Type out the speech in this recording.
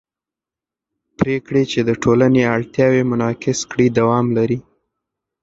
پرېکړې چې د ټولنې اړتیاوې منعکس کړي دوام لري